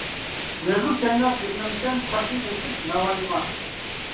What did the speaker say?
مېغىز چايناپ يۈرمەمسەن، قاشنى ئېتىپ ناۋايغا.